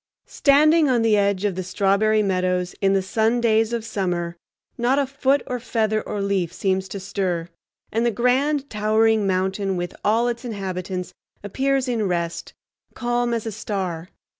Standing on the edge of the Strawberry Meadows in the sun days of summer, not a foot or feather or leaf seems to stir; and the grand, towering mountain with all its inhabitants appears in rest, calm as a star.